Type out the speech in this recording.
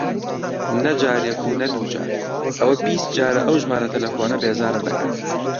نە جارێک و نە دوو جار، ئەوە بیست جارە ئەو ژمارە تەلەفۆنە بێزارم دەکات.